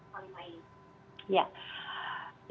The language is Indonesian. pasal lima ini